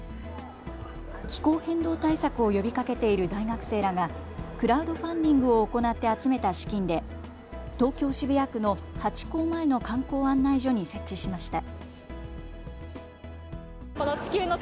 気候変動対策を呼びかけている大学生らがクラウドファンディングを行って集めた資金で東京渋谷区のハチ公前の観光案内所に設置しました。